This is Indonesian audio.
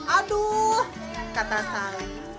aduh kata sali